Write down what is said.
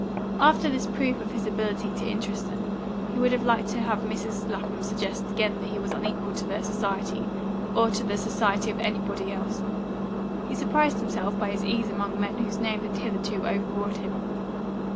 After this proof of his ability to interest them, he would have liked to have Mrs. Lapham suggest again that he was unequal to their society, or to the society of anybody else. He surprised himself by his ease among men whose names had hitherto overawed him.